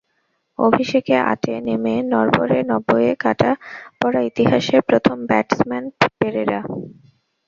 অভিষেকে আটে নেমে নড়বড়ে নব্বইয়ে কাটা পড়া ইতিহাসের প্রথম ব্যাটসম্যান পেরেরা।